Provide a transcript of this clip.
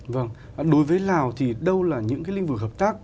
vâng đối với lào thì đâu là những cái lĩnh vực hợp tác